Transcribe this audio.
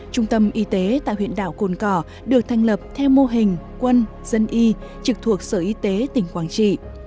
trung tâm y tế tại huyện đảo cồn cỏ được thành lập theo mô hình quân dân y trực thuộc sở y tế tỉnh quảng trị